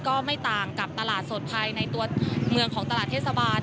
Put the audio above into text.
ก็ไม่ต่างกับตลาดสดภัยในตัวเมืองของตลาดเทศบาล